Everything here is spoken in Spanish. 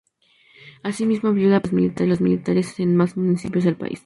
Asimismo amplió la presencia de los militares en más municipios del país.